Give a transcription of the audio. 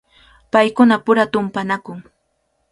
Paykunapura tumpanakun.